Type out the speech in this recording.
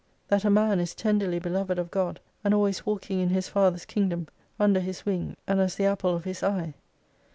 That a man is tenderly beloved of God and always walking in His Father's Kingdom, under His wing, and as the apple of His eye